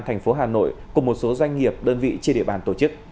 thành phố hà nội cùng một số doanh nghiệp đơn vị trên địa bàn tổ chức